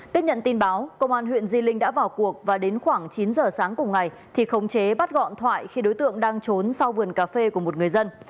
tiếp nhận tin báo công an huyện di linh đã vào cuộc và đến khoảng chín giờ sáng cùng ngày thì khống chế bắt gọn thoại khi đối tượng đang trốn sau vườn cà phê của một người dân